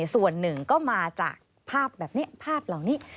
ส่วนหนึ่งก็มาจากภาพแบบนี้ภาพเหล่านี้